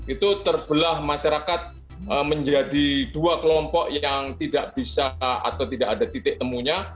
itu terbelah masyarakat menjadi dua kelompok yang tidak bisa atau tidak ada titik temunya